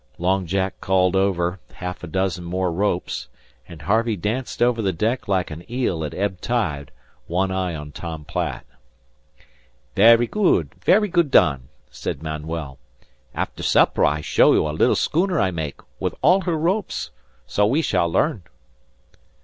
Long Jack called over half a dozen ropes, and Harvey danced over the deck like an eel at ebb tide, one eye on Tom Platt. "Ver' good. Ver' good don," said Manuel. "After supper I show you a little schooner I make, with all her ropes. So we shall learn."